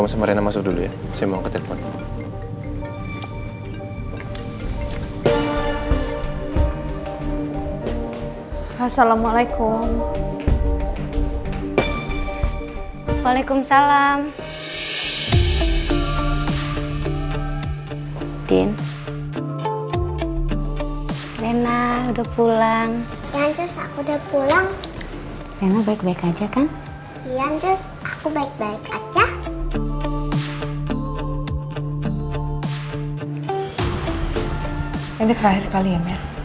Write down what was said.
gue gak mau kejar reina